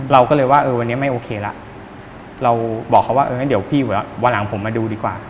เราก็เลยว่าเออวันนี้ไม่โอเคละเราบอกเขาว่าเอองั้นเดี๋ยวพี่วันหลังผมมาดูดีกว่า